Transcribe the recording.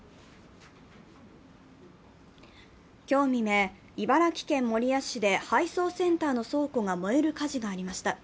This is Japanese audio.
今日未明、茨城県守谷市で配送センターの倉庫が燃える火事がありました。